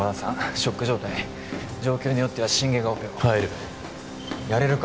ショック状態状況によっては心外がオペを入るやれるか？